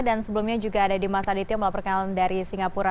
dan sebelumnya juga ada di mas aditya melaporkan dari singapura